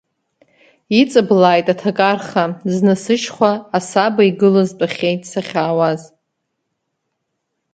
Иҵыблааит, аҭакарха, зны сышьхәа, асаба игылаз тәахьеит сахьаауаз.